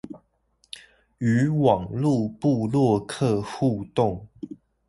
與網路部落客互動